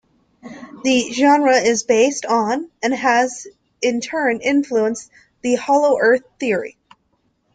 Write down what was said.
The genre is based on and has in turn influenced the Hollow Earth theory.